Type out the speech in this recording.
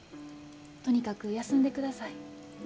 とにかく休んでください。